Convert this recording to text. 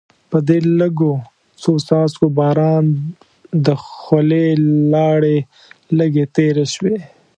په دې لږو څو څاڅکو باران د خولې لاړې لږې تېرې شوې.